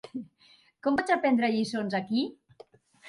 Com pots aprendre lliçons aquí?